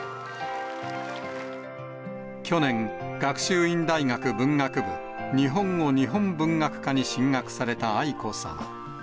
去年、学習院大学文学部日本語日本文学科に進学された愛子さま。